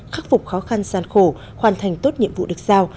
khắc phục khó khăn gian khổ hoàn thành tốt nhiệm vụ được giao